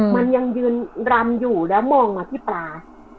มันยังยืนรำอยู่แล้วมองมาที่ปลา